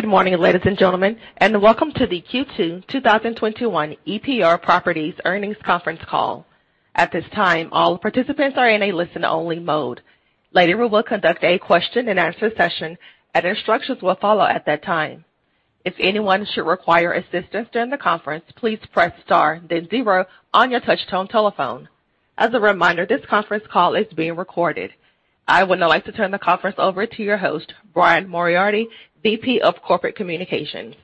Good morning, ladies and gentlemen, and welcome to the Q2 2021 EPR Properties earnings conference call. I would now like to turn the conference over to your host, Brian Moriarty, VP of Corporate Communications.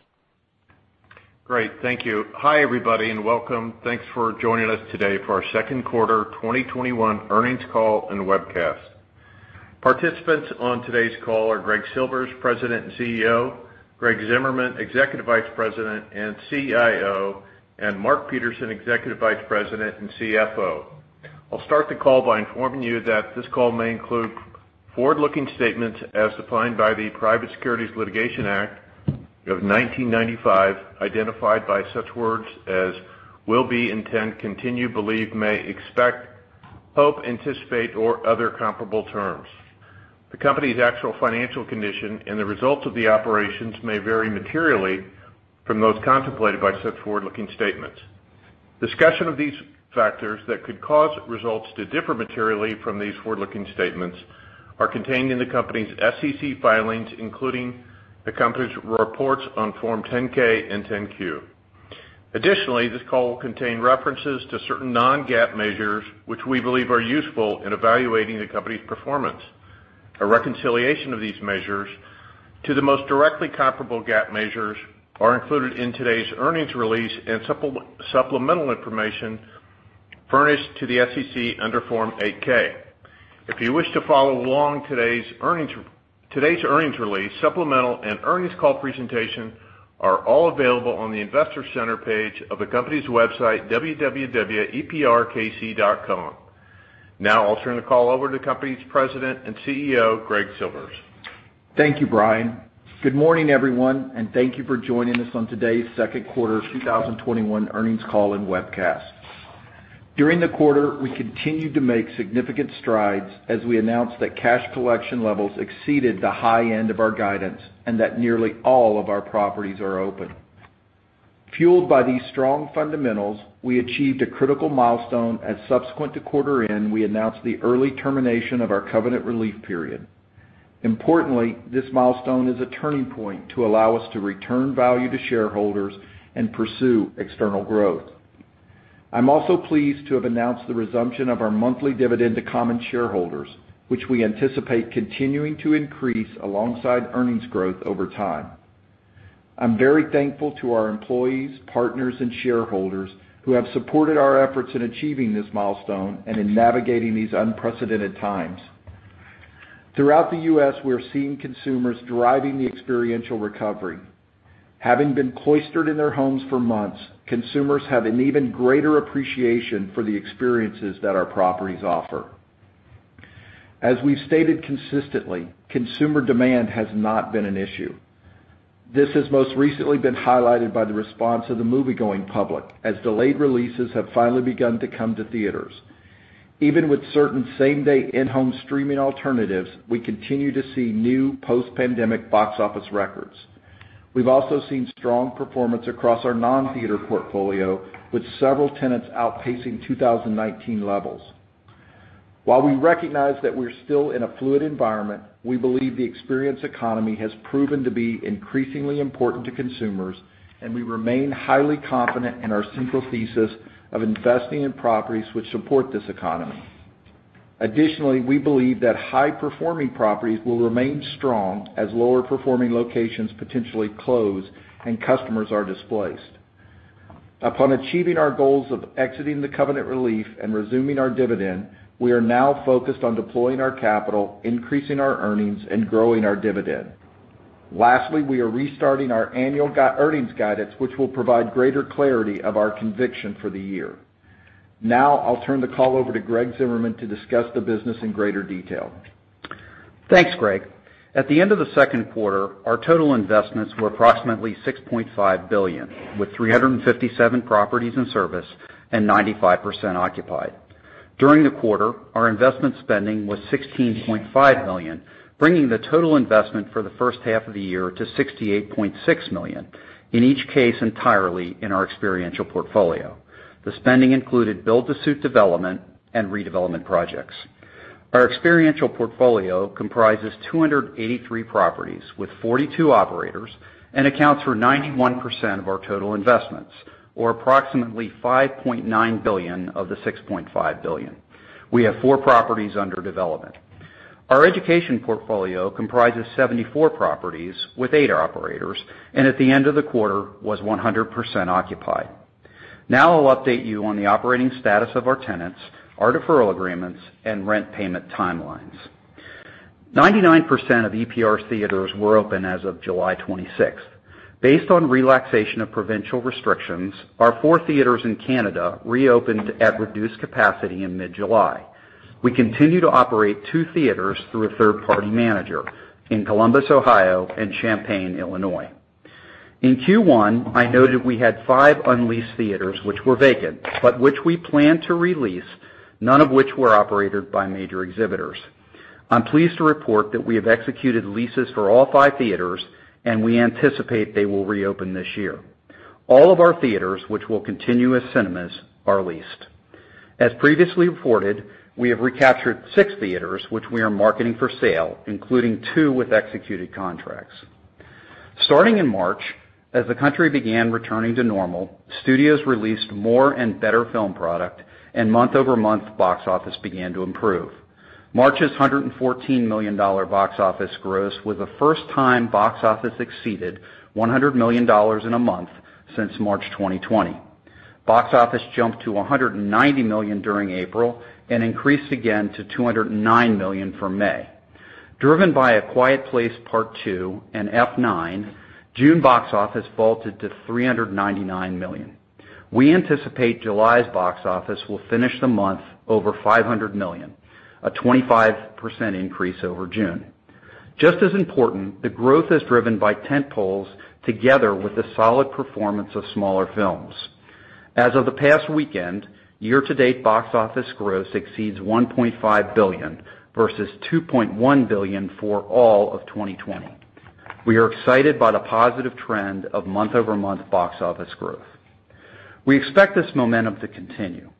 Great. Thank you. Hi everybody, welcome. Thanks for joining us today for our second quarter 2021 earnings call and webcast. Participants on today's call are Greg Silvers, President and CEO, Greg Zimmerman, Executive Vice President and CIO, and Mark Peterson, Executive Vice President and CFO. I'll start the call by informing you that this call may include forward-looking statements as defined by the Private Securities Litigation Reform Act of 1995, identified by such words as will be, intent, continue, believe, may, expect, hope, anticipate, or other comparable terms. The company's actual financial condition and the results of the operations may vary materially from those contemplated by such forward-looking statements. Discussion of these factors that could cause results to differ materially from these forward-looking statements are contained in the company's SEC filings, including the company's reports on Form 10-K and 10-Q. Additionally, this call will contain references to certain non-GAAP measures which we believe are useful in evaluating the company's performance. A reconciliation of these measures to the most directly comparable GAAP measures are included in today's earnings release and supplemental information furnished to the SEC under Form 8-K. If you wish to follow along, today's earnings release, supplemental and earnings call presentation are all available on the investor center page of the company's website, www.eprkc.com. Now I'll turn the call over to the company's President and CEO, Greg Silvers. Thank you, Brian. Good morning, everyone, and thank you for joining us on today's second quarter 2021 earnings call and webcast. During the quarter, we continued to make significant strides as we announced that cash collection levels exceeded the high end of our guidance and that nearly all of our properties are open. Fueled by these strong fundamentals, we achieved a critical milestone as subsequent to quarter end, we announced the early termination of our covenant relief period. Importantly, this milestone is a turning point to allow us to return value to shareholders and pursue external growth. I'm also pleased to have announced the resumption of our monthly dividend to common shareholders, which we anticipate continuing to increase alongside earnings growth over time. I'm very thankful to our employees, partners and shareholders who have supported our efforts in achieving this milestone and in navigating these unprecedented times. Throughout the U.S., we're seeing consumers driving the experiential recovery. Having been cloistered in their homes for months, consumers have an even greater appreciation for the experiences that our properties offer. As we've stated consistently, consumer demand has not been an issue. This has most recently been highlighted by the response of the movie-going public, as delayed releases have finally begun to come to theaters. Even with certain same-day in-home streaming alternatives, we continue to see new post-pandemic box office records. We've also seen strong performance across our non-theater portfolio, with several tenants outpacing 2019 levels. While we recognize that we're still in a fluid environment, we believe the experience economy has proven to be increasingly important to consumers, and we remain highly confident in our simple thesis of investing in properties which support this economy. We believe that high-performing properties will remain strong as lower performing locations potentially close and customers are displaced. Upon achieving our goals of exiting the covenant relief and resuming our dividend, we are now focused on deploying our capital, increasing our earnings and growing our dividend. We are restarting our annual earnings guidance, which will provide greater clarity of our conviction for the year. I'll turn the call over to Greg Zimmerman to discuss the business in greater detail. Thanks, Greg. At the end of the second quarter, our total investments were approximately $6.5 billion, with 357 properties in service and 95% occupied. During the quarter, our investment spending was $16.5 million, bringing the total investment for the first half of the year to $68.6 million, in each case entirely in our experiential portfolio. The spending included build-to-suit development and redevelopment projects. Our experiential portfolio comprises 283 properties with 42 operators and accounts for 91% of our total investments, or approximately $5.9 billion of the $6.5 billion. We have 4 properties under development. Our education portfolio comprises 74 properties with 8 operators, and at the end of the quarter was 100% occupied. Now I'll update you on the operating status of our tenants, our deferral agreements, and rent payment timelines. 99% of EPR theaters were open as of July 26th. Based on relaxation of provincial restrictions, our four theaters in Canada reopened at reduced capacity in mid-July. We continue to operate two theaters through a third-party manager in Columbus, Ohio and Champaign, Illinois. In Q1, I noted we had five unleased theaters which were vacant, but which we plan to re-lease, none of which were operated by major exhibitors. I'm pleased to report that we have executed leases for all five theaters, and we anticipate they will reopen this year. All of our theaters, which will continue as cinemas, are leased. As previously reported, we have recaptured six theaters, which we are marketing for sale, including two with executed contracts. Starting in March, as the country began returning to normal, studios released more and better film product and month-over-month box office began to improve. March's $114 million box office gross was the first time box office exceeded $100 million in a month since March 2020. Box office jumped to $190 million during April and increased again to $209 million for May. Driven by "A Quiet Place Part II" and "F9", June box office vaulted to $399 million. We anticipate July's box office will finish the month over $500 million, a 25% increase over June. Just as important, the growth is driven by tentpoles together with the solid performance of smaller films. As of the past weekend, year-to-date box office gross exceeds $1.5 billion, versus $2.1 billion for all of 2020. We are excited by the positive trend of month-over-month box office growth. We expect this momentum to continue.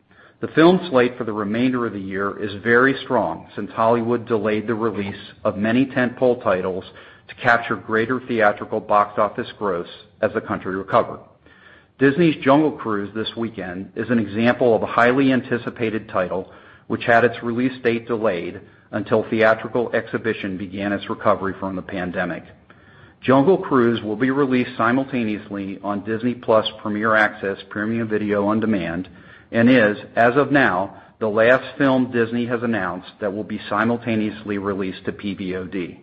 The film slate for the remainder of the year is very strong since Hollywood delayed the release of many tentpole titles to capture greater theatrical box office gross as the country recovered. Disney's "Jungle Cruise" this weekend is an example of a highly anticipated title which had its release date delayed until theatrical exhibition began its recovery from the pandemic. "Jungle Cruise" will be released simultaneously on Disney+ Premier Access premium video on demand, and is, as of now, the last film Disney has announced that will be simultaneously released to PVOD.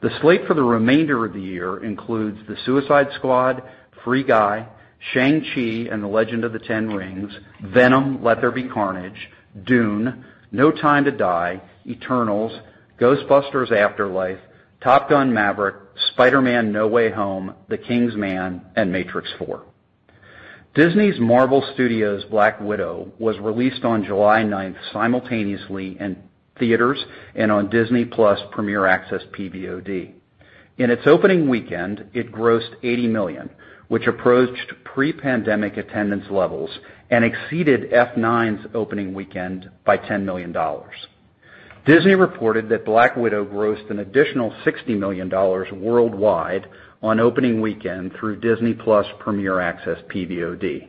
The slate for the remainder of the year includes "The Suicide Squad," "Free Guy," "Shang-Chi and the Legend of the Ten Rings," "Venom: Let There Be Carnage," "Dune," "No Time to Die," "Eternals," "Ghostbusters: Afterlife," "Top Gun: Maverick," "Spider-Man: No Way Home," "The King's Man," and "Matrix 4." Disney's Marvel Studios' "Black Widow" was released on July 9th simultaneously in theaters and on Disney+ Premier Access PVOD. In its opening weekend, it grossed $80 million, which approached pre-pandemic attendance levels and exceeded "F9's" opening weekend by $10 million. Disney reported that "Black Widow" grossed an additional $60 million worldwide on opening weekend through Disney+ Premier Access PVOD.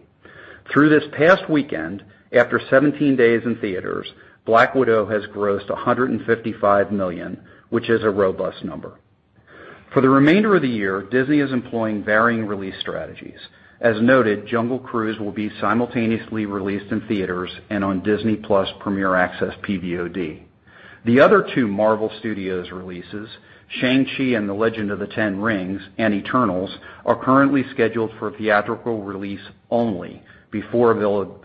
Through this past weekend, after 17 days in theaters, "Black Widow" has grossed $155 million, which is a robust number. For the remainder of the year, Disney is employing varying release strategies. As noted, "Jungle Cruise" will be simultaneously released in theaters and on Disney+ Premier Access PVOD. The other two Marvel Studios releases, "Shang-Chi and the Legend of the Ten Rings" and "Eternals," are currently scheduled for theatrical release only before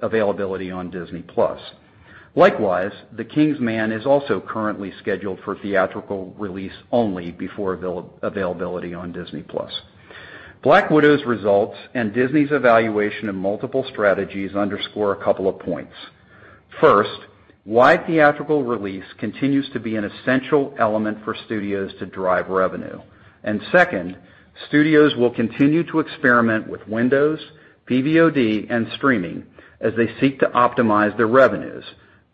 availability on Disney+. Likewise, "The King's Man" is also currently scheduled for theatrical release only before availability on Disney+. "Black Widow's" results and Disney's evaluation of multiple strategies underscore a couple of points. First, wide theatrical release continues to be an essential element for studios to drive revenue. Second, studios will continue to experiment with Windows, PVOD, and streaming as they seek to optimize their revenues.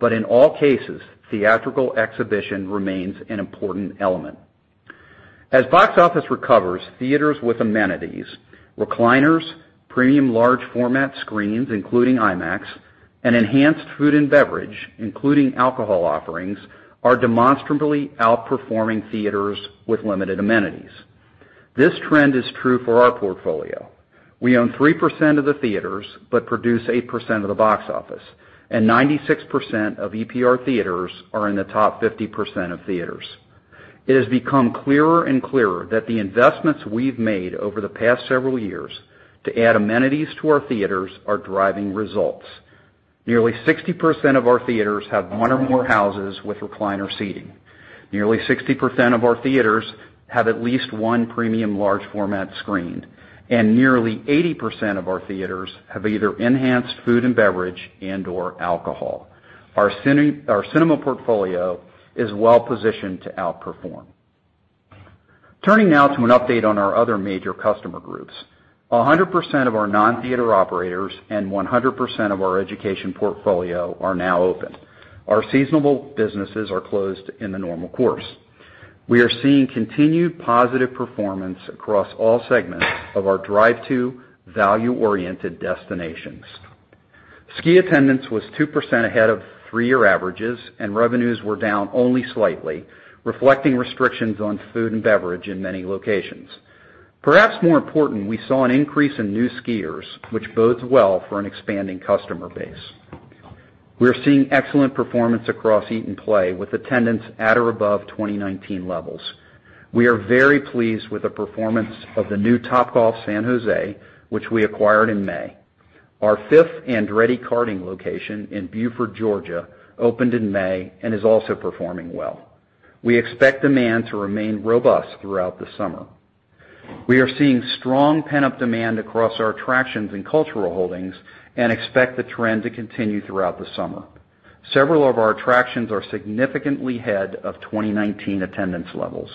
In all cases, theatrical exhibition remains an important element. As box office recovers, theaters with amenities, recliners, premium large format screens, including IMAX, and enhanced food and beverage, including alcohol offerings, are demonstrably outperforming theaters with limited amenities. This trend is true for our portfolio. We own 3% of the theaters, but produce 8% of the box office, and 96% of EPR theaters are in the top 50% of theaters. It has become clearer and clearer that the investments we've made over the past several years to add amenities to our theaters are driving results. Nearly 60% of our theaters have one or more houses with recliner seating. Nearly 60% of our theaters have at least one premium large format screen, and nearly 80% of our theaters have either enhanced food and beverage and/or alcohol. Our cinema portfolio is well positioned to outperform. Turning now to an update on our other major customer groups. 100% of our non-theater operators and 100% of our education portfolio are now open. Our seasonable businesses are closed in the normal course. We are seeing continued positive performance across all segments of our drive-to, value-oriented destinations. Ski attendance was 2% ahead of three-year averages, and revenues were down only slightly, reflecting restrictions on food and beverage in many locations. Perhaps more important, we saw an increase in new skiers, which bodes well for an expanding customer base. We are seeing excellent performance across Eat and Play, with attendance at or above 2019 levels. We are very pleased with the performance of the new Topgolf San Jose, which we acquired in May. Our fifth Andretti Karting location in Buford, Georgia opened in May and is also performing well. We expect demand to remain robust throughout the summer. We are seeing strong pent-up demand across our attractions and cultural holdings and expect the trend to continue throughout the summer. Several of our attractions are significantly ahead of 2019 attendance levels.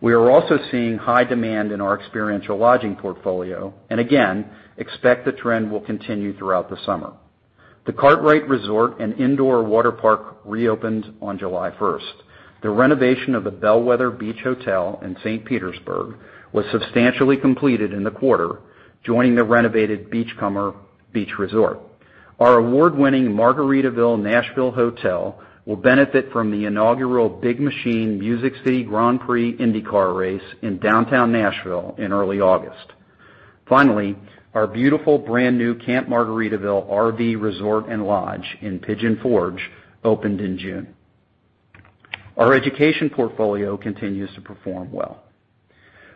We are also seeing high demand in our experiential lodging portfolio, and again, expect the trend will continue throughout the summer. The Kartrite Resort and indoor waterpark reopened on July 1st. The renovation of the Bellwether Beach Resort in St. Pete Beach was substantially completed in the quarter, joining the renovated Beachcomber Beach Resort. Our award-winning Margaritaville Hotel Nashville will benefit from the inaugural Big Machine Music City Grand Prix IndyCar race in downtown Nashville in early August. Finally, our beautiful brand-new Camp Margaritaville RV Resort & Lodge in Pigeon Forge opened in June. Our education portfolio continues to perform well.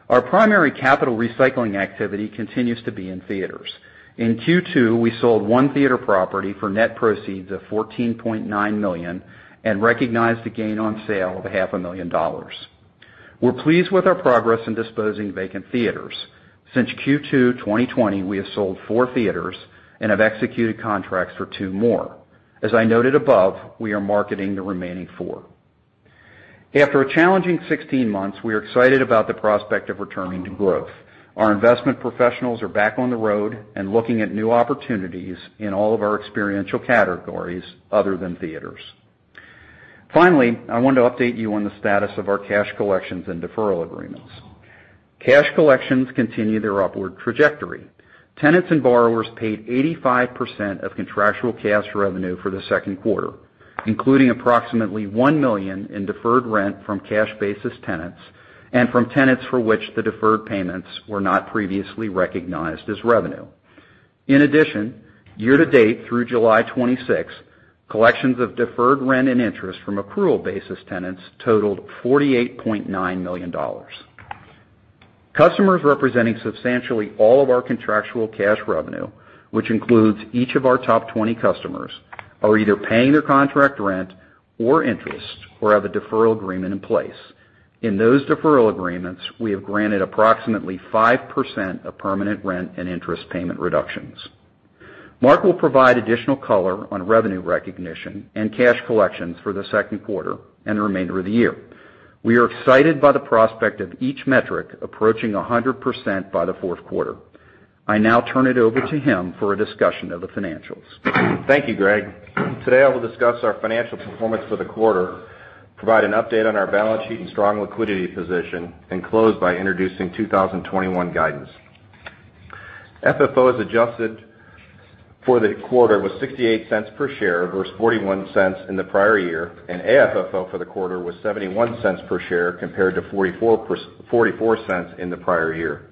Our primary capital recycling activity continues to be in theaters. In Q2, we sold one theater property for net proceeds of $14.9 million and recognized the gain on sale of $500,000. We're pleased with our progress in disposing vacant theaters. Since Q2 2020, we have sold 4 theaters and have executed contracts for 2 more. As I noted above, we are marketing the remaining 4. After a challenging 16 months, we are excited about the prospect of returning to growth. Our investment professionals are back on the road and looking at new opportunities in all of our experiential categories other than theaters. Finally, I want to update you on the status of our cash collections and deferral agreements. Cash collections continue their upward trajectory. Tenants and borrowers paid 85% of contractual cash revenue for the second quarter, including approximately $1 million in deferred rent from cash-basis tenants and from tenants for which the deferred payments were not previously recognized as revenue. In addition, year-to-date through July 26, collections of deferred rent and interest from accrual-basis tenants totaled $48.9 million. Customers representing substantially all of our contractual cash revenue, which includes each of our top 20 customers, are either paying their contract rent or interest or have a deferral agreement in place. In those deferral agreements, we have granted approximately 5% of permanent rent and interest payment reductions. Mark will provide additional color on revenue recognition and cash collections for the second quarter and the remainder of the year. We are excited by the prospect of each metric approaching 100% by the fourth quarter. I now turn it over to him for a discussion of the financials. Thank you, Greg. Today, I will discuss our financial performance for the quarter, provide an update on our balance sheet and strong liquidity position, and close by introducing 2021 guidance. FFO as adjusted for the quarter was $0.68 per share versus $0.41 in the prior year, and AFFO for the quarter was $0.71 per share compared to $0.44 in the prior year.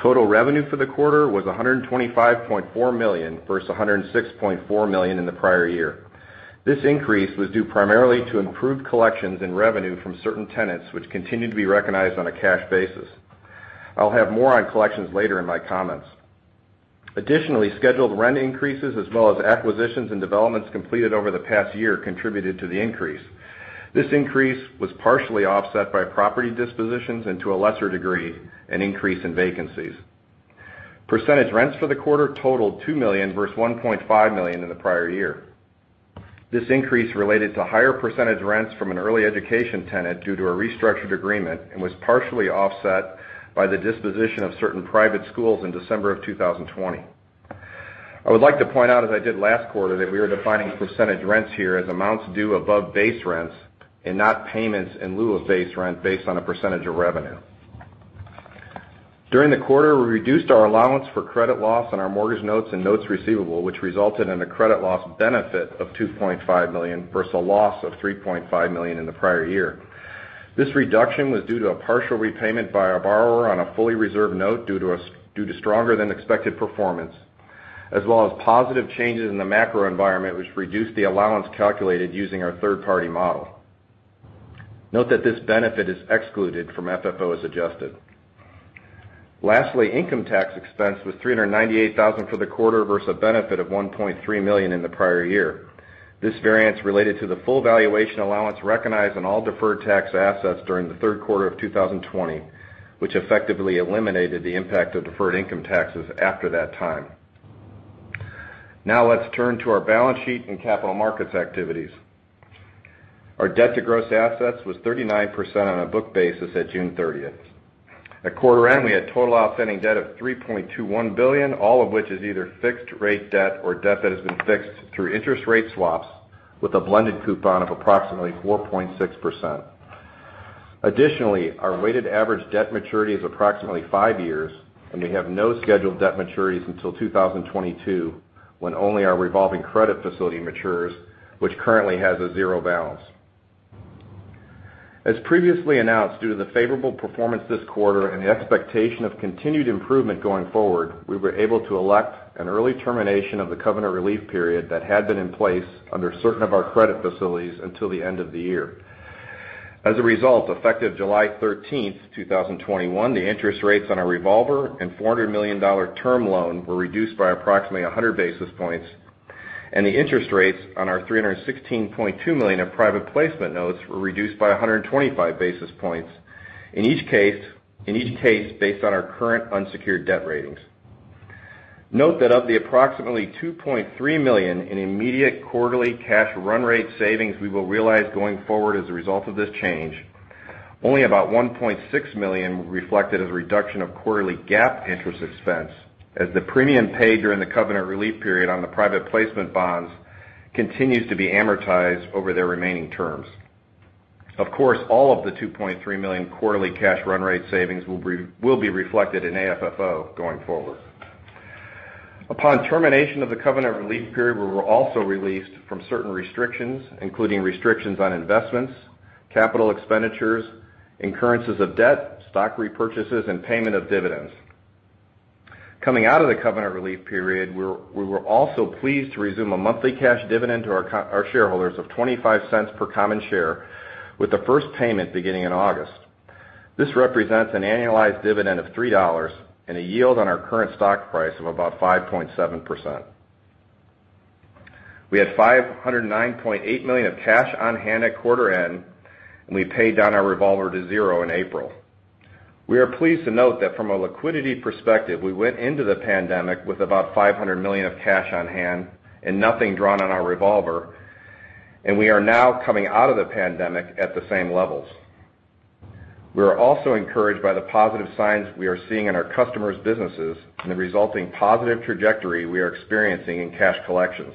Total revenue for the quarter was $125.4 million versus $106.4 million in the prior year. This increase was due primarily to improved collections and revenue from certain tenants, which continued to be recognized on a cash basis. I'll have more on collections later in my comments. Additionally, scheduled rent increases as well as acquisitions and developments completed over the past year contributed to the increase. This increase was partially offset by property dispositions and, to a lesser degree, an increase in vacancies. Percentage rents for the quarter totaled $2 million versus $1.5 million in the prior year. This increase related to higher percentage rents from an early education tenant due to a restructured agreement and was partially offset by the disposition of certain private schools in December of 2020. I would like to point out, as I did last quarter, that we are defining percentage rents here as amounts due above base rents and not payments in lieu of base rent based on a percentage of revenue. During the quarter, we reduced our allowance for credit loss on our mortgage notes and notes receivable, which resulted in a credit loss benefit of $2.5 million versus a loss of $3.5 million in the prior year. This reduction was due to a partial repayment by our borrower on a fully reserved note due to stronger-than-expected performance as well as positive changes in the macro environment, which reduced the allowance calculated using our third-party model. Note that this benefit is excluded from FFO as adjusted. Lastly, income tax expense was $398,000 for the quarter versus a benefit of $1.3 million in the prior year. This variance related to the full valuation allowance recognized on all deferred tax assets during the third quarter of 2020, which effectively eliminated the impact of deferred income taxes after that time. Now let's turn to our balance sheet and capital markets activities. Our debt to gross assets was 39% on a book basis at June 30th. At quarter end, we had total outstanding debt of $3.21 billion, all of which is either fixed-rate debt or debt that has been fixed through interest rate swaps with a blended coupon of approximately 4.6%. Additionally, our weighted average debt maturity is approximately 5 years, and we have no scheduled debt maturities until 2022, when only our revolving credit facility matures, which currently has a zero balance. As previously announced, due to the favorable performance this quarter and the expectation of continued improvement going forward, we were able to elect an early termination of the covenant relief period that had been in place under certain of our credit facilities until the end of the year. Effective July 13th, 2021, the interest rates on our revolver and $400 million term loan were reduced by approximately 100 basis points, and the interest rates on our $316.2 million of private placement notes were reduced by 125 basis points. In each case based on our current unsecured debt ratings. Note that of the approximately $2.3 million in immediate quarterly cash run rate savings we will realize going forward as a result of this change, only about $1.6 million reflected as a reduction of quarterly GAAP interest expense as the premium paid during the covenant relief period on the private placement bonds continues to be amortized over their remaining terms. Of course, all of the $2.3 million quarterly cash run rate savings will be reflected in AFFO going forward. Upon termination of the covenant relief period, we were also released from certain restrictions, including restrictions on investments, capital expenditures, incurrences of debt, stock repurchases, and payment of dividends. Coming out of the covenant relief period, we were also pleased to resume a monthly cash dividend to our shareholders of $0.25 per common share, with the first payment beginning in August. This represents an annualized dividend of $3 and a yield on our current stock price of about 5.7%. We had $509.8 million of cash on hand at quarter end, and we paid down our revolver to 0 in April. We are pleased to note that from a liquidity perspective, we went into the pandemic with about $500 million of cash on hand and nothing drawn on our revolver, and we are now coming out of the pandemic at the same levels. We are also encouraged by the positive signs we are seeing in our customers' businesses and the resulting positive trajectory we are experiencing in cash collections.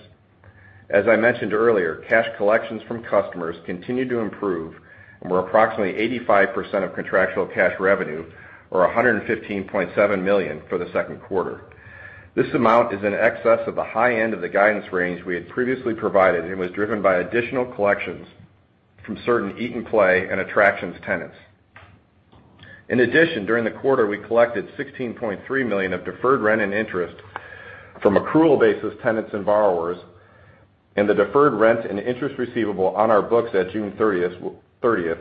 As I mentioned earlier, cash collections from customers continue to improve and were approximately 85% of contractual cash revenue, or $115.7 million for the second quarter. This amount is in excess of the high end of the guidance range we had previously provided and was driven by additional collections from certain eat and play and attractions tenants. In addition, during the quarter, we collected $16.3 million of deferred rent and interest from accrual basis tenants and borrowers, and the deferred rent and interest receivable on our books at June 30th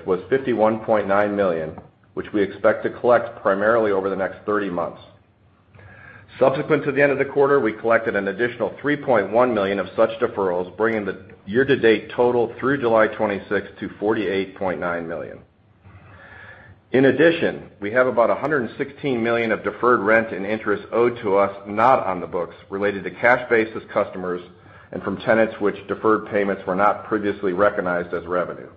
was $51.9 million, which we expect to collect primarily over the next 30 months. Subsequent to the end of the quarter, we collected an additional $3.1 million of such deferrals, bringing the year-to-date total through July 26 to $48.9 million. In addition, we have about $116 million of deferred rent and interest owed to us, not on the books, related to cash basis customers and from tenants which deferred payments were not previously recognized as revenue.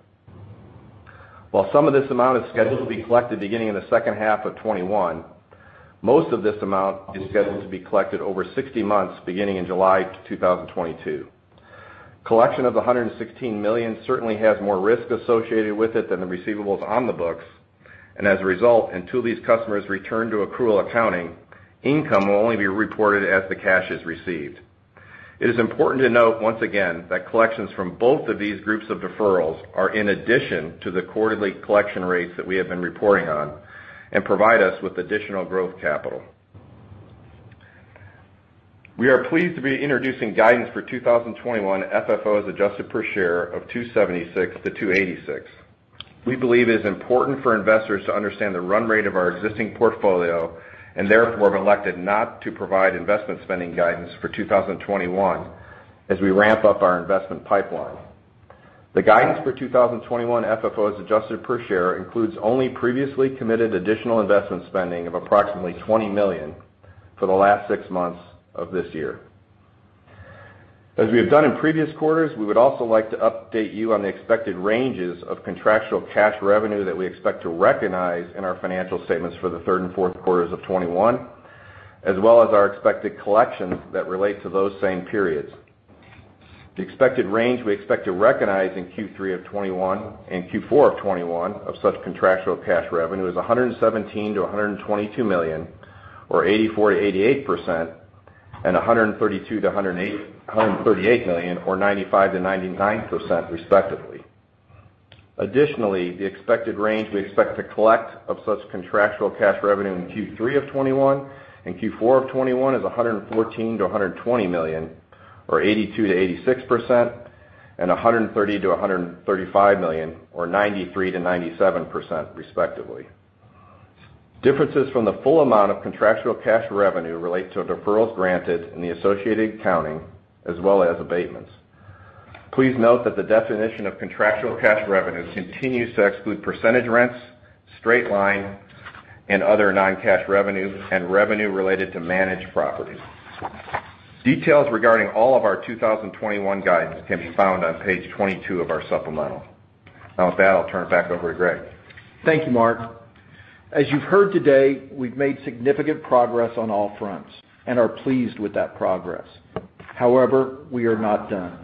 While some of this amount is scheduled to be collected beginning in the second half of 2021, most of this amount is scheduled to be collected over 60 months beginning in July 2022. Collection of $116 million certainly has more risk associated with it than the receivables on the books, and as a result, until these customers return to accrual accounting, income will only be reported as the cash is received. It is important to note once again that collections from both of these groups of deferrals are in addition to the quarterly collection rates that we have been reporting on and provide us with additional growth capital. We are pleased to be introducing guidance for 2021 FFOs adjusted per share of $2.76-$2.86. We believe it is important for investors to understand the run rate of our existing portfolio and therefore have elected not to provide investment spending guidance for 2021 as we ramp up our investment pipeline. The guidance for 2021 FFO as adjusted per share includes only previously committed additional investment spending of approximately $20 million for the last six months of this year. As we have done in previous quarters, we would also like to update you on the expected ranges of contractual cash revenue that we expect to recognize in our financial statements for the third and fourth quarters of 2021, as well as our expected collections that relate to those same periods. The expected range we expect to recognize in Q3 of 2021 and Q4 of 2021 of such contractual cash revenue is $117 million-$122 million, or 84%-88%, and $132 million-$138 million, or 95%-99%, respectively. Additionally, the expected range we expect to collect of such contractual cash revenue in Q3 of 2021 and Q4 of 2021 is $114 million-$120 million, or 82%-86%, and $130 million-$135 million, or 93%-97%, respectively. Differences from the full amount of contractual cash revenue relate to deferrals granted in the associated accounting as well as abatements. Please note that the definition of contractual cash revenue continues to exclude percentage rents, straight line, and other non-cash revenue and revenue related to managed properties. Details regarding all of our 2021 guidance can be found on page 22 of our supplemental. Now, with that, I'll turn it back over to Greg. Thank you, Mark. As you've heard today, we've made significant progress on all fronts and are pleased with that progress. We are not done.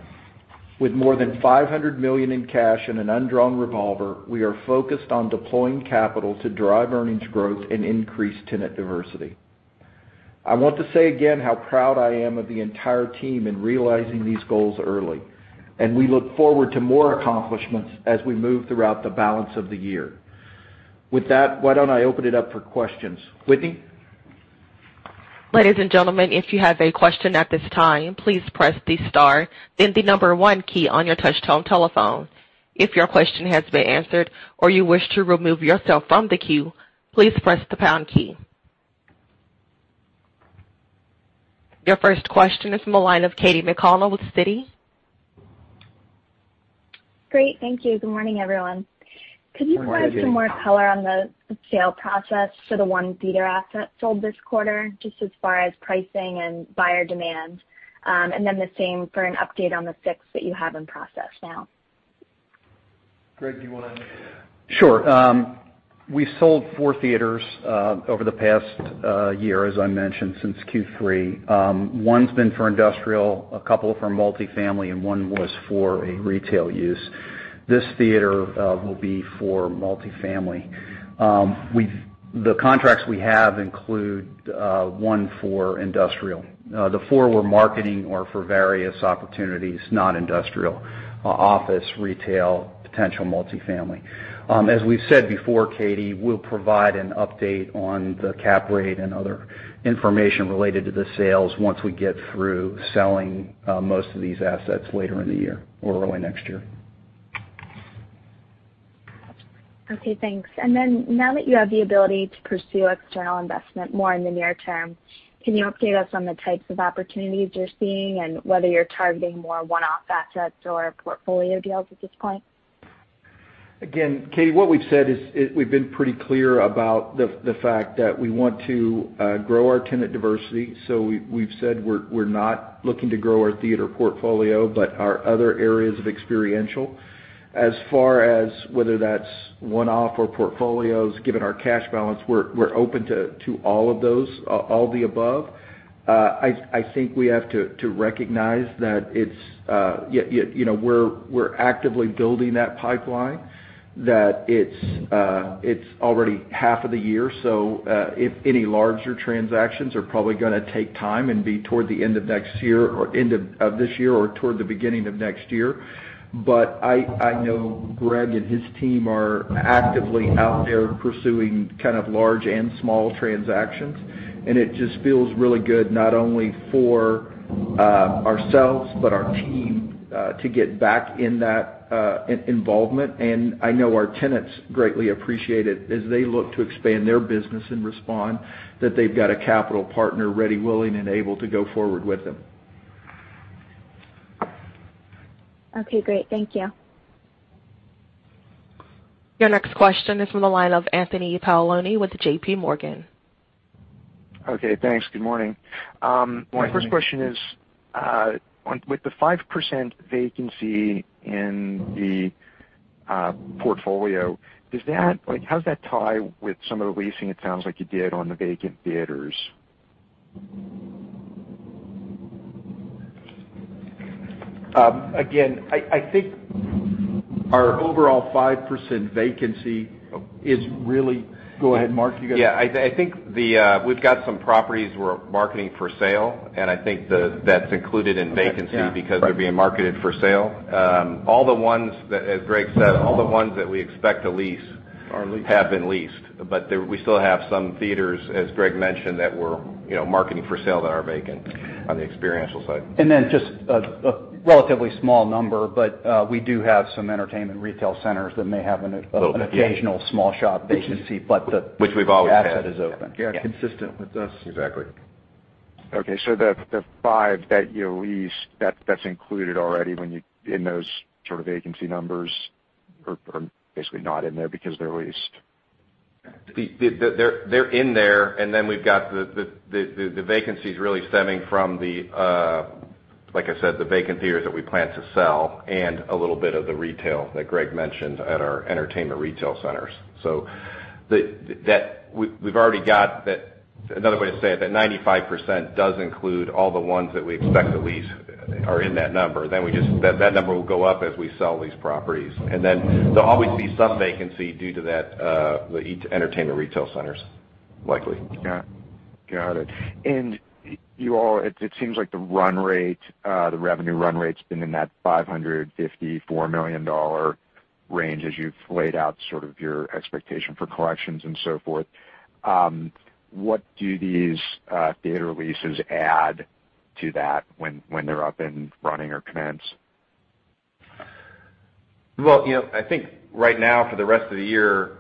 With more than $500 million in cash in an undrawn revolver, we are focused on deploying capital to drive earnings growth and increase tenant diversity. I want to say again how proud I am of the entire team in realizing these goals early, and we look forward to more accomplishments as we move throughout the balance of the year. With that, why don't I open it up for questions. Whitney? Your first question is from the line of Katy McConnell with Citi. Great. Thank you. Good morning, everyone. Good morning. Could you provide some more color on the sale process for the 1 theater asset sold this quarter, just as far as pricing and buyer demand? The same for an update on the 6 that you have in process now. Greg, do you want to? Sure. We sold four theaters over the past year, as I mentioned, since Q3. One's been for industrial, a couple for multi-family, and one was for a retail use. This theater will be for multi-family. The contracts we have include one for industrial. The four we're marketing are for various opportunities, not industrial: office, retail, potential multi-family. As we've said before, Katy, we'll provide an update on the cap rate and other information related to the sales once we get through selling most of these assets later in the year or early next year. Okay, thanks. Now that you have the ability to pursue external investment more in the near term, can you update us on the types of opportunities you're seeing and whether you're targeting more one-off assets or portfolio deals at this point? Katy, what we've said is, we've been pretty clear about the fact that we want to grow our tenant diversity. We've said we're not looking to grow our theater portfolio, but our other areas of experiential. As far as whether that's one-off or portfolios, given our cash balance, we're open to all of those, all the above. I think we have to recognize that we're actively building that pipeline, that it's already half of the year, if any larger transactions are probably going to take time and be toward the end of this year or toward the beginning of next year. I know Greg and his team are actively out there pursuing kind of large and small transactions, and it just feels really good not only for ourselves but our team to get back in that involvement. I know our tenants greatly appreciate it as they look to expand their business and respond, that they've got a capital partner ready, willing, and able to go forward with them. Okay, great. Thank you. Your next question is from the line of Anthony Paolone with JPMorgan. Okay, thanks. Good morning. Good morning. My first question is, with the 5% vacancy in the portfolio, how does that tie with some of the leasing it sounds like you did on the vacant theaters? I think our overall 5% vacancy is really. Go ahead, Mark, you got it. Yeah, I think we've got some properties we're marketing for sale, and I think that's included in vacancy-. Okay, yeah. -because they're being marketed for sale. As Greg said, all the ones that we expect to lease. Are leased have been leased, but we still have some theaters, as Greg mentioned, that we're marketing for sale that are vacant on the experiential side. Just a relatively small number, but we do have some entertainment retail centers that may have. Little, yeah. occasional small shop vacancy, Which we've always had. asset is open. Consistent with us. Exactly. Okay, the five that you leased, that's included already in those sort of vacancy numbers are basically not in there because they're leased. They're in there. We've got the vacancies really stemming from the, like I said, the vacant theaters that we plan to sell and a little bit of the retail that Greg mentioned at our entertainment retail centers. We've already got that. Another way to say it, that 95% does include all the ones that we expect to lease are in that number. That number will go up as we sell these properties. There'll always be some vacancy due to the entertainment retail centers, likely. Got it. You all, it seems like the revenue run rate's been in that $554 million range as you've laid out sort of your expectation for collections and so forth. What do these theater leases add to that when they're up and running or commence? Well, I think right now for the rest of the year,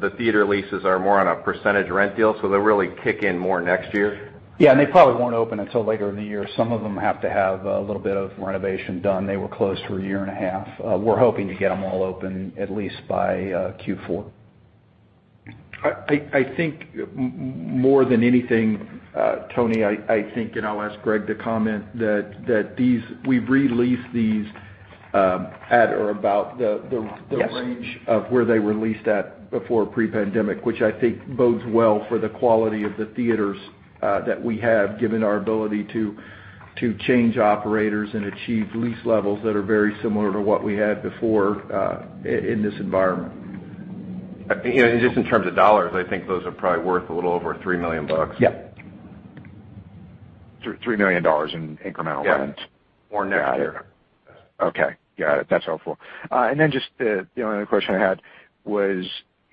the theater leases are more on a percentage rent deal, so they'll really kick in more next year. Yeah, they probably won't open until later in the year. Some of them have to have a little bit of renovation done. They were closed for a year and a half. We're hoping to get them all open at least by Q4. I think more than anything, Tony, I think, and I'll ask Greg to comment, that we've re-leased these at or about. Yes range of where they were leased at before pre-pandemic, which I think bodes well for the quality of the theaters that we have, given our ability to change operators and achieve lease levels that are very similar to what we had before in this environment. Just in terms of dollars, I think those are probably worth a little over $3 million. Yeah. $3 million in incremental rents. Yeah. More next year. Got it. Okay, got it. That's helpful. Then just the one other question I had was,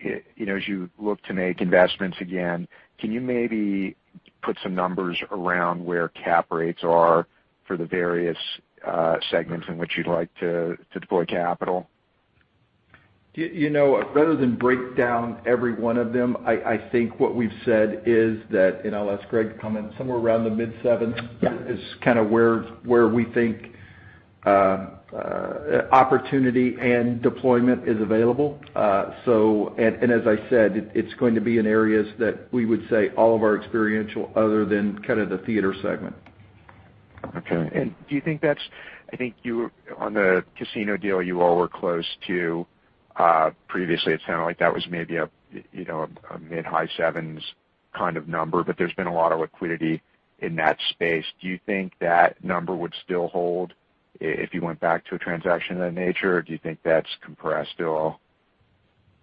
as you look to make investments again, can you maybe put some numbers around where cap rates are for the various segments in which you'd like to deploy capital? Rather than break down every one of them, I think what we've said is that, and I'll ask Greg to comment, somewhere around the mid sevens. Yeah. Is kind of where we think opportunity and deployment is available. As I said, it's going to be in areas that we would say all of our experiential, other than kind of the theater segment. Okay. I think on the casino deal you all were close to previously it sounded like that was maybe a mid-high 7s kind of number. There's been a lot of liquidity in that space. Do you think that number would still hold if you went back to a transaction of that nature, or do you think that's compressed at all?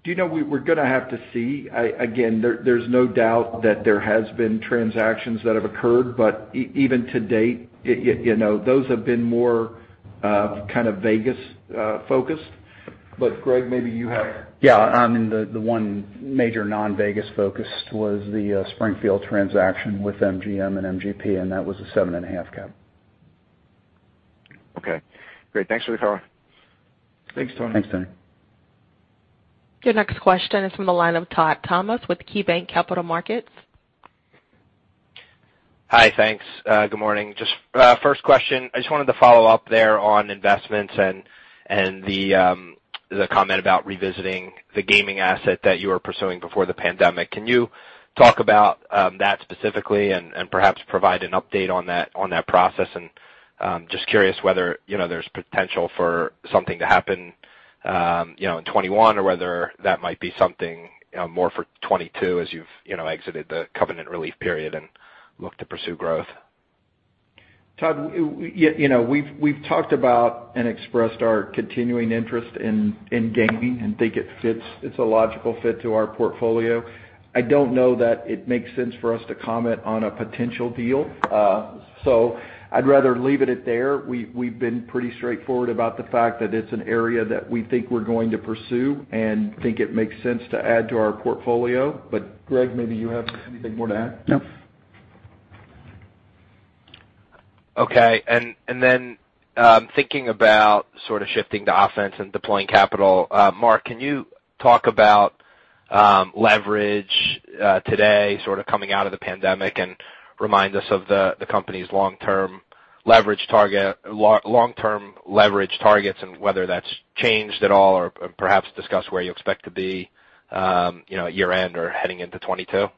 We're going to have to see. There's no doubt that there has been transactions that have occurred, even to date, those have been more kind of Vegas focused. Greg, maybe you have. The one major non-Vegas focused was the Springfield transaction with MGM and MGP, and that was a 7.5% cap. Okay. Great. Thanks for the color. Thanks, Tony. Thanks, Tony. Your next question is from the line of Todd Thomas with KeyBanc Capital Markets. Hi, thanks. Good morning. Just first question, I just wanted to follow up there on investments and the comment about revisiting the gaming asset that you were pursuing before the pandemic. Can you talk about that specifically and perhaps provide an update on that process? Just curious whether there's potential for something to happen in 2021 or whether that might be something more for 2022 as you've exited the covenant relief period and look to pursue growth. Todd, we've talked about and expressed our continuing interest in gaming and think it's a logical fit to our portfolio. I don't know that it makes sense for us to comment on a potential deal, so I'd rather leave it at there. We've been pretty straightforward about the fact that it's an area that we think we're going to pursue and think it makes sense to add to our portfolio. Greg, maybe you have anything more to add? No. Okay, thinking about sort of shifting to offense and deploying capital, Mark, can you talk about leverage today sort of coming out of the pandemic and remind us of the company's long-term leverage targets, and whether that's changed at all or perhaps discuss where you expect to be at year-end or heading into 2022?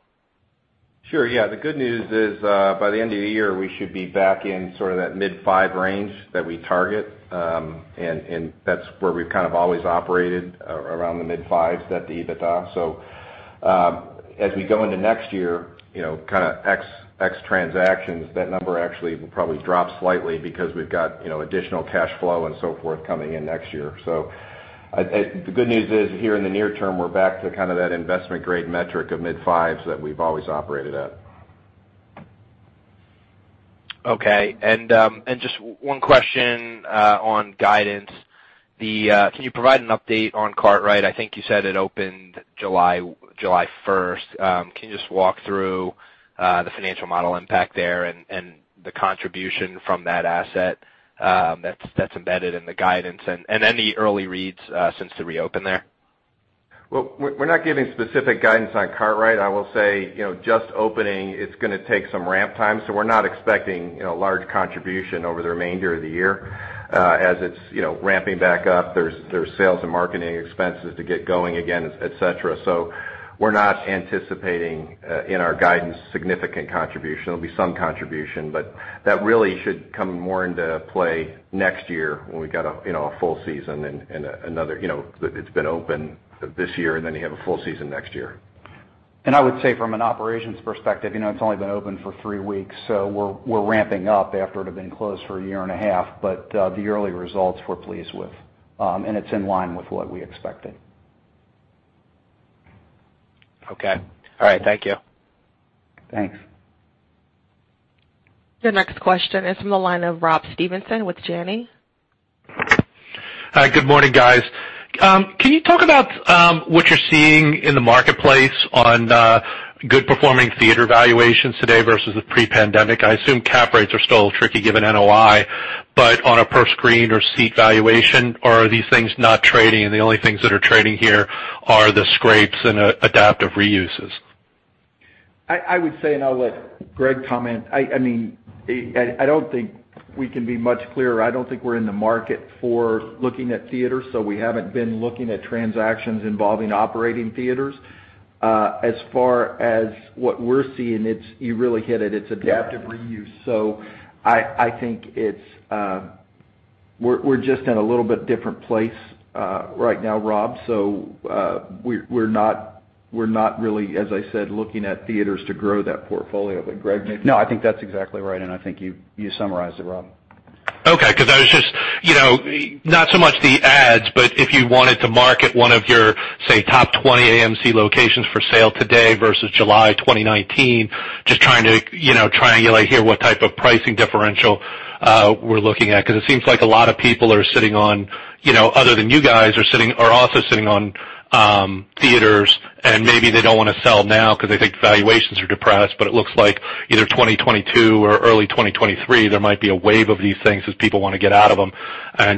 Sure, yeah. The good news is, by the end of the year, we should be back in sort of that mid 5 range that we target. That's where we've kind of always operated, around the mid 5s, that EBITDA. As we go into next year, kind of ex transactions, that number actually will probably drop slightly because we've got additional cash flow and so forth coming in next year. The good news is here in the near term, we're back to kind of that investment grade metric of mid 5s that we've always operated at. Okay. Just one question on guidance. Can you provide an update on Kartrite? I think you said it opened July 1st. Can you just walk through the financial model impact there and the contribution from that asset that's embedded in the guidance, and any early reads since the reopen there? Well, we're not giving specific guidance on Kartrite. I will say, just opening, it's going to take some ramp time, so we're not expecting a large contribution over the remainder of the year. As it's ramping back up, there's sales and marketing expenses to get going again, et cetera. We're not anticipating, in our guidance, significant contribution. There'll be some contribution, but that really should come more into play next year when we've got a full season and it's been open this year, and then you have a full season next year. I would say from an operations perspective, it's only been open for 3 weeks, so we're ramping up after it had been closed for a year and a half. The early results we're pleased with, and it's in line with what we expected. Okay. All right, thank you. Thanks. Your next question is from the line of Rob Stevenson with Janney. Hi, good morning, guys. Can you talk about what you're seeing in the marketplace on good performing theater valuations today versus the pre-pandemic? I assume cap rates are still tricky given NOI, but on a per screen or seat valuation, or are these things not trading and the only things that are trading here are the scrapes and adaptive reuses? I would say, and I'll let Greg comment, I don't think we can be much clearer. I don't think we're in the market for looking at theaters, so we haven't been looking at transactions involving operating theaters. As far as what we're seeing, you really hit it. It's adaptive reuse. I think we're just in a little bit different place right now, Rob. We're not really, as I said, looking at theaters to grow that portfolio. Greg, maybe. No, I think that's exactly right, and I think you summarized it, Rob. Okay. I was just, not so much the ads, but if you wanted to market one of your, say, top 20 AMC locations for sale today versus July 2019, just trying to triangulate here what type of pricing differential we're looking at. It seems like a lot of people are sitting on, other than you guys, are also sitting on theaters, and maybe they don't want to sell now because they think valuations are depressed, but it looks like either 2022 or early 2023, there might be a wave of these things as people want to get out of them.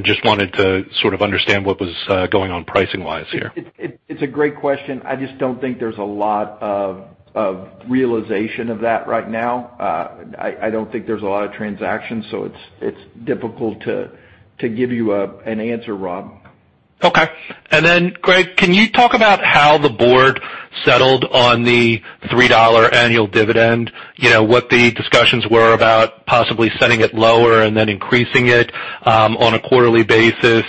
Just wanted to sort of understand what was going on pricing-wise here. It's a great question. I just don't think there's a lot of realization of that right now. I don't think there's a lot of transactions, so it's difficult to give you an answer, Rob. Greg, can you talk about how the board settled on the $3 annual dividend? What the discussions were about possibly setting it lower and then increasing it on a quarterly basis,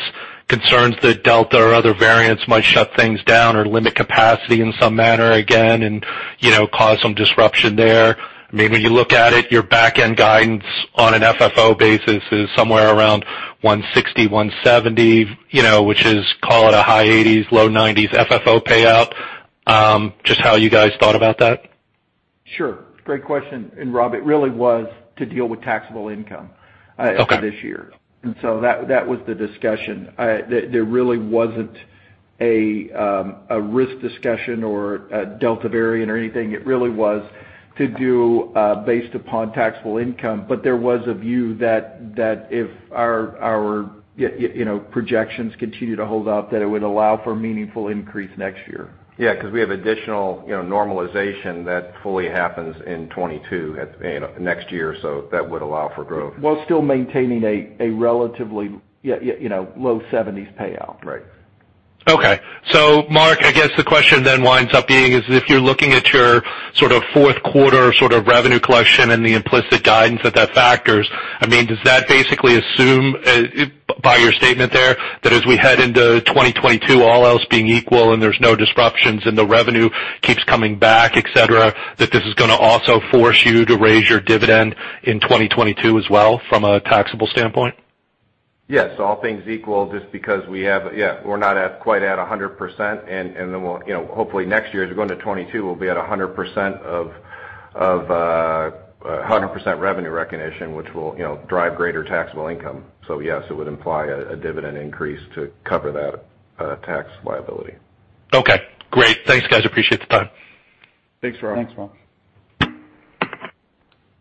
concerns that Delta or other variants might shut things down or limit capacity in some manner again, and cause some disruption there. When you look at it, your back end guidance on an FFO basis is somewhere around $160, $170, which is, call it a high 80s%, low 90s% FFO payout. Just how you guys thought about that. Sure. Great question. Rob, it really was to deal with taxable income. Okay for this year. That was the discussion. There really wasn't a risk discussion or a Delta variant or anything. It really was to do based upon taxable income. There was a view that if our projections continue to hold up, that it would allow for a meaningful increase next year. Yeah, because we have additional normalization that fully happens in 2022, next year, so that would allow for growth. While still maintaining a relatively low 70s payout. Right. Okay. Mark, I guess the question then winds up being is if you're looking at your sort of fourth quarter sort of revenue collection and the implicit guidance that that factors, does that basically assume, by your statement there, that as we head into 2022, all else being equal and there's no disruptions and the revenue keeps coming back, et cetera, that this is going to also force you to raise your dividend in 2022 as well from a taxable standpoint? Yes. All things equal, just because we're not quite at 100%, and then hopefully next year, as we go into 2022, we'll be at 100% revenue recognition, which will drive greater taxable income. Yes, it would imply a dividend increase to cover that tax liability. Okay, great. Thanks, guys. Appreciate the time. Thanks, Rob. Thanks, Rob.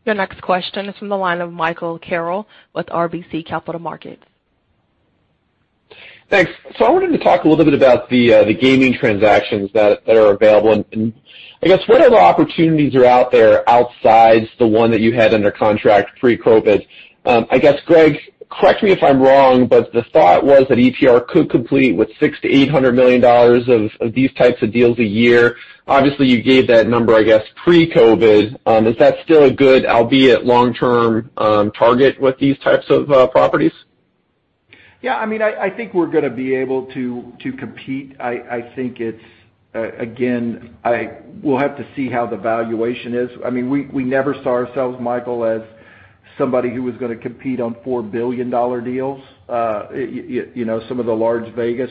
Your next question is from the line of Michael Carroll with RBC Capital Markets. Thanks. I wanted to talk a little bit about the gaming transactions that are available, and I guess, what other opportunities are out there outside the one that you had under contract pre-COVID? I guess, Greg, correct me if I'm wrong, but the thought was that EPR could complete with $600 million-$800 million of these types of deals a year. Obviously, you gave that number, I guess, pre-COVID. Is that still a good, albeit long-term, target with these types of properties? Yeah, I think we're going to be able to compete. I think it's, again, we'll have to see how the valuation is. We never saw ourselves, Michael, as somebody who was going to compete on $4 billion deals, some of the large Vegas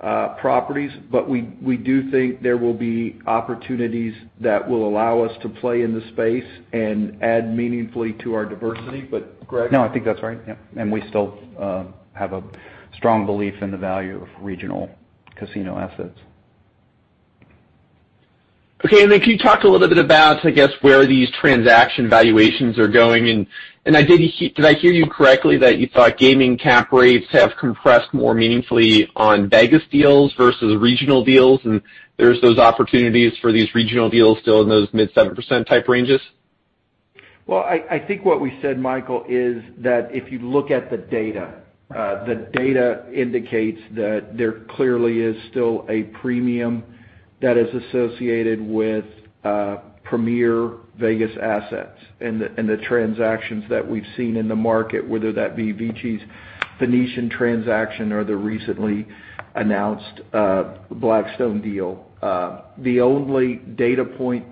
properties. We do think there will be opportunities that will allow us to play in the space and add meaningfully to our diversity. Greg? No, I think that's right. Yeah. We still have a strong belief in the value of regional casino assets. Okay. Can you talk a little bit about, I guess, where these transaction valuations are going? Did I hear you correctly that you thought gaming cap rates have compressed more meaningfully on Vegas deals versus regional deals, and there's those opportunities for these regional deals still in those mid 7% type ranges? I think what we said, Michael, is that if you look at the data, the data indicates that there clearly is still a premium that is associated with premier Vegas assets and the transactions that we've seen in the market, whether that be VICI's Venetian transaction or the recently announced Blackstone deal. The only data point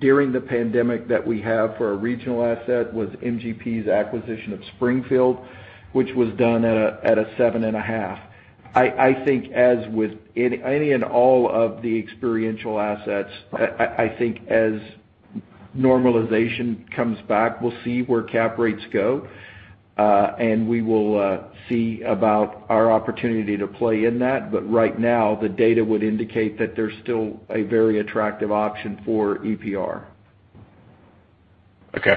during the pandemic that we have for a regional asset was MGP's acquisition of Springfield, which was done at a 7.5. I think as with any and all of the experiential assets, I think as normalization comes back, we'll see where cap rates go. We will see about our opportunity to play in that. Right now, the data would indicate that there's still a very attractive option for EPR. Okay.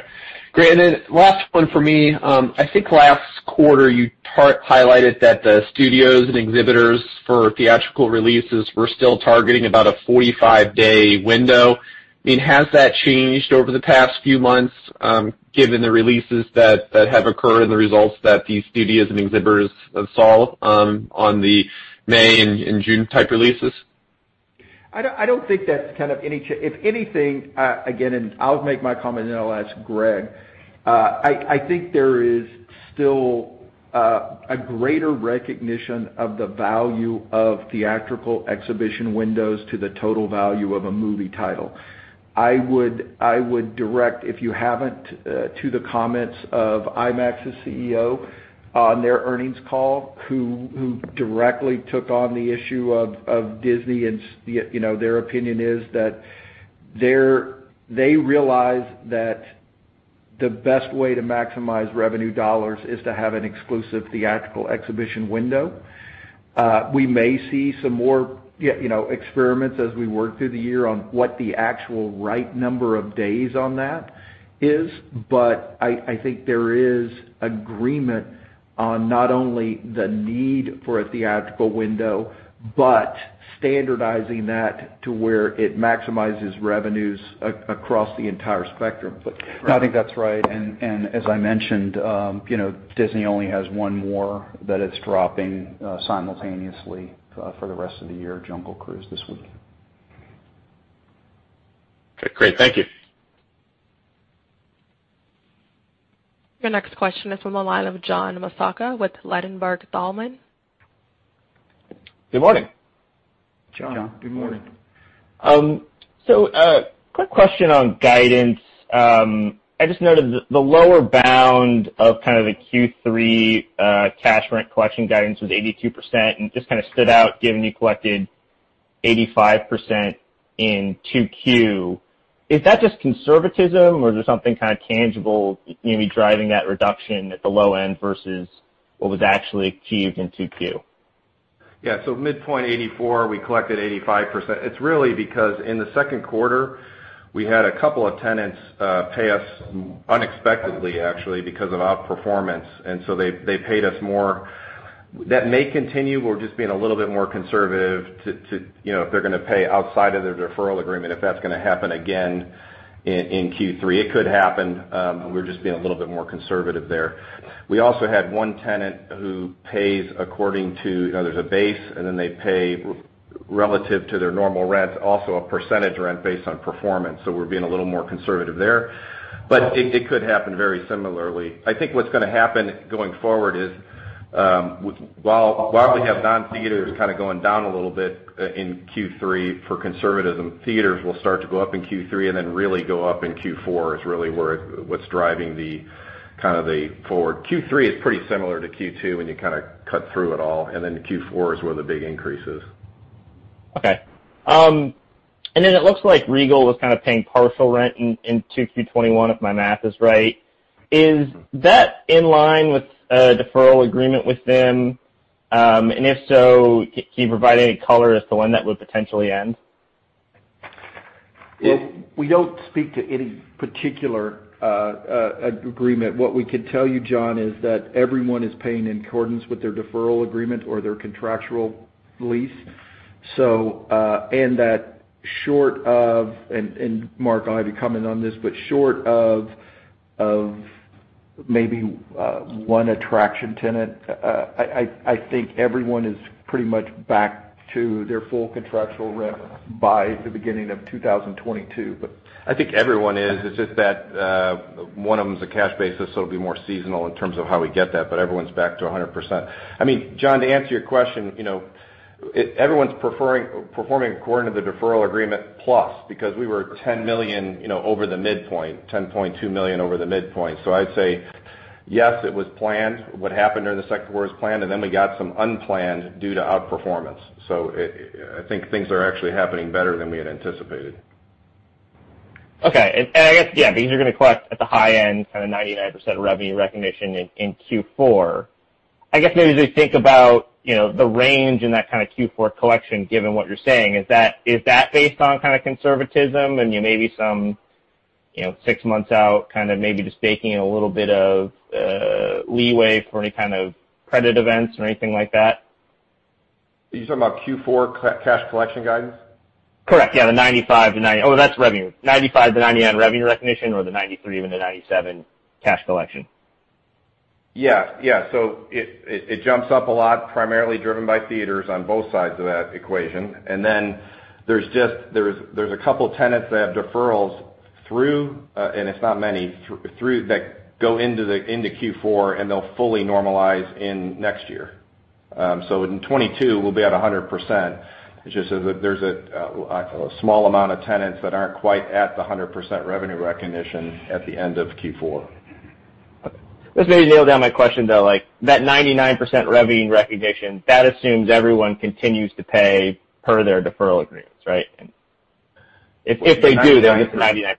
Great. Last one for me. I think last quarter you highlighted that the studios and exhibitors for theatrical releases were still targeting about a 45-day window. Has that changed over the past few months, given the releases that have occurred and the results that these studios and exhibitors have seen on the May and June type releases? I don't think that's kind of any change. If anything, again, I'll make my comment, then I'll ask Greg. I think there is still a greater recognition of the value of theatrical exhibition windows to the total value of a movie title. I would direct, if you haven't, to the comments of IMAX's CEO on their earnings call, who directly took on the issue of Disney, their opinion is that they realize that the best way to maximize revenue dollars is to have an exclusive theatrical exhibition window. We may see some more experiments as we work through the year on what the actual right number of days on that is. I think there is agreement on not only the need for a theatrical window, but standardizing that to where it maximizes revenues across the entire spectrum. I think that's right. As I mentioned, Disney only has one more that it's dropping simultaneously, for the rest of the year, "Jungle Cruise," this week. Okay, great. Thank you. Your next question is from the line of John Massocca with Ladenburg Thalmann. Good morning. John, good morning. John, good morning. A quick question on guidance. I just noted the lower bound of kind of the Q3 cash rent collection guidance was 82%, and just kind of stood out given you collected 85% in Q2. Is that just conservatism or is there something kind of tangible maybe driving that reduction at the low end versus what was actually achieved in Q2? Midpoint 84, we collected 85%. It's really because in the second quarter, we had a couple of tenants pay us unexpectedly, actually, because of outperformance. They paid us more. That may continue. We're just being a little bit more conservative if they're gonna pay outside of their deferral agreement, if that's gonna happen again in Q3. It could happen. We're just being a little bit more conservative there. We also had one tenant who pays according to There's a base. They pay relative to their normal rents, also a percentage rent based on performance. We're being a little more conservative there. It could happen very similarly. I think what's gonna happen going forward is, while we have non-theaters kind of going down a little bit, in Q3 for conservatism, theaters will start to go up in Q3 and then really go up in Q4, is really what's driving the kind of the forward. Q3 is pretty similar to Q2 when you kind of cut through it all. Q4 is where the big increase is. Okay. It looks like Regal was kind of paying partial rent in Q2 2021, if my math is right. Is that in line with a deferral agreement with them? If so, can you provide any color as to when that would potentially end? We don't speak to any particular agreement. What we could tell you, John, is that everyone is paying in accordance with their deferral agreement or their contractual lease. That short of, and Mark, I'll have you comment on this, but short of maybe one attraction tenant, I think everyone is pretty much back to their full contractual rent by the beginning of 2022. I think everyone is, it's just that 1 of them is a cash basis, so it'll be more seasonal in terms of how we get that. Everyone's back to 100%. John, to answer your question, everyone's performing according to the deferral agreement plus, because we were $10 million over the midpoint, $10.2 million over the midpoint. I'd say yes, it was planned. What happened during the second quarter was planned, and then we got some unplanned due to outperformance. I think things are actually happening better than we had anticipated. Okay. I guess, yeah, because you're gonna collect at the high end, kind of 99% of revenue recognition in Q4. I guess maybe just think about the range in that kind of Q4 collection, given what you're saying. Is that based on kind of conservatism and maybe some six months out, kind of maybe just baking in a little bit of leeway for any kind of credit events or anything like that? Are you talking about Q4 cash collection guidance? Correct. Yeah, the 95%-90%. Oh, that's revenue. 95%-99% revenue recognition or the 93%, even the 97% cash collection. Yeah. It jumps up a lot, primarily driven by theaters on both sides of that equation. There's a couple tenants that have deferrals through, and it's not many, that go into Q4, and they'll fully normalize in next year. In 2022, we'll be at 100%. It's just that there's a small amount of tenants that aren't quite at the 100% revenue recognition at the end of Q4. Let's maybe nail down my question, though. That 99% revenue recognition, that assumes everyone continues to pay per their deferral agreements, right? If they do, they'll hit the 99%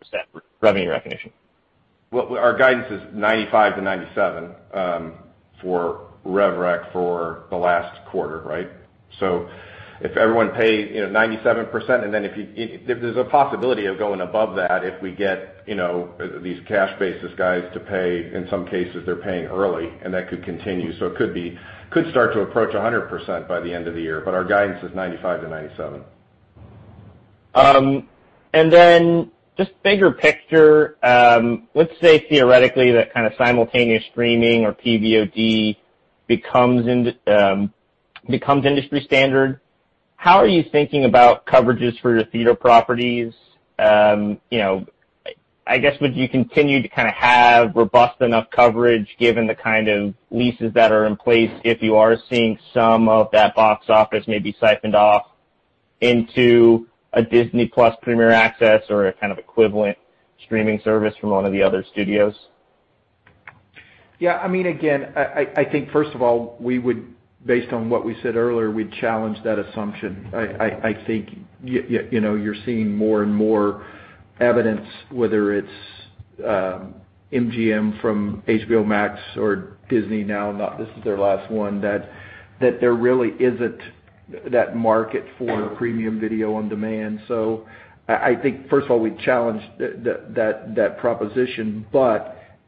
revenue recognition. Our guidance is 95%-97% for rev rec for the last quarter, right. If everyone paid 97%, if there's a possibility of going above that if we get these cash basis guys to pay, in some cases, they're paying early, and that could continue. It could start to approach 100% by the end of the year, our guidance is 95%-97%. Just bigger picture, let's say theoretically that kind of simultaneous streaming or PVOD becomes industry standard. How are you thinking about coverages for your theater properties? I guess, would you continue to have robust enough coverage given the kind of leases that are in place if you are seeing some of that box office maybe siphoned off into a Disney+ Premier Access or a kind of equivalent streaming service from one of the other studios? I think, first of all, based on what we said earlier, we'd challenge that assumption. I think you're seeing more and more evidence, whether it's MGM from HBO Max or Disney now, this is their last one, that there really isn't that market for premium video on demand. I think, first of all, we'd challenge that proposition.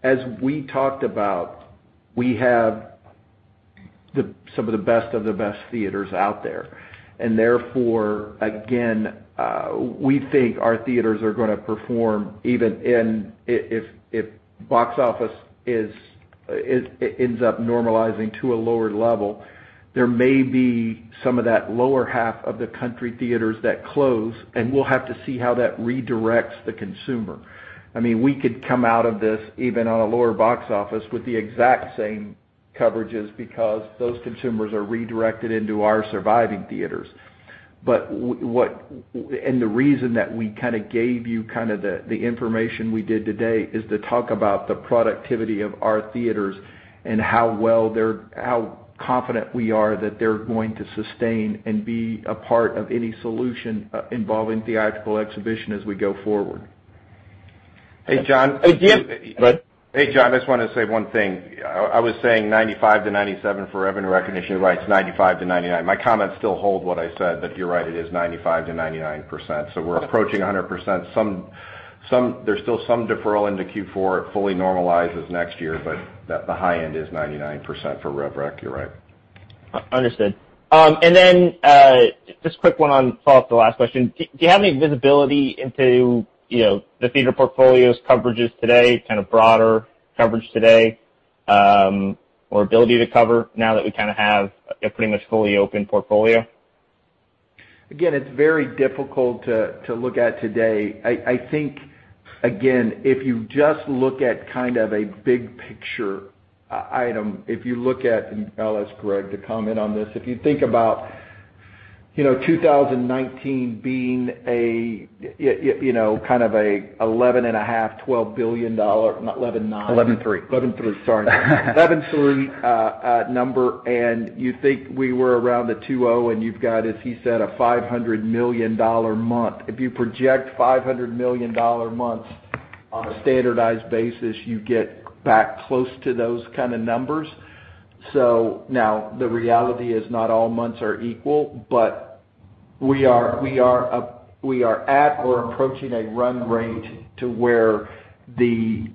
As we talked about, we have some of the best of the best theaters out there, and therefore, again, we think our theaters are going to perform even if box office ends up normalizing to a lower level. There may be some of that lower half of the country theaters that close, and we'll have to see how that redirects the consumer. We could come out of this, even on a lower box office, with the exact same coverages because those consumers are redirected into our surviving theaters. The reason that we gave you the information we did today is to talk about the productivity of our theaters and how confident we are that they're going to sustain and be a part of any solution involving theatrical exhibition as we go forward. Hey, John. Go ahead. Hey, John. I just wanted to say one thing. I was saying 95-97 for revenue recognition, right? It's 95-99. My comments still hold what I said, you're right, it is 95%-99%. We're approaching 100%. There's still some deferral into Q4. It fully normalizes next year, the high end is 99% for rev rec, you're right. Understood. Just a quick one to follow up the last question. Do you have any visibility into the theater portfolio's coverages today, kind of broader coverage today, or ability to cover now that we have a pretty much fully open portfolio? Again, it's very difficult to look at today. I think, again, if you just look at kind of a big-picture item. I'll ask Greg to comment on this. If you think about 2019 being a kind of a $11.5 billion, $12 billion. Not $11.9 billion. $11.3. $11.3, sorry. $11.3 number, and you think we were around the 2.0, and you've got, as he said, a $500 million month. If you project $500 million months on a standardized basis, you get back close to those kind of numbers. Now the reality is not all months are equal, but we are at or approaching a run rate to where the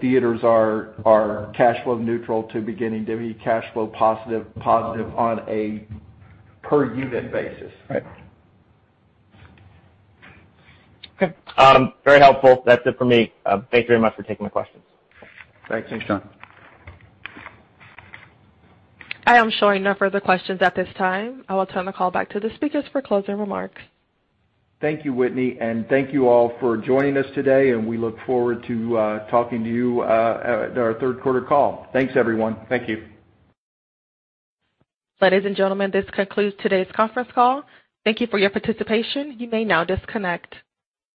theaters are cash flow neutral to beginning to be cash flow positive on a per unit basis. Right. Okay. Very helpful. That's it for me. Thank you very much for taking the questions. Thanks. Thanks, John. I am showing no further questions at this time. I will turn the call back to the speakers for closing remarks. Thank you, Whitney, and thank you all for joining us today, and we look forward to talking to you at our third quarter call. Thanks, everyone. Thank you. Ladies and gentlemen, this concludes today's conference call. Thank you for your participation. You may now disconnect.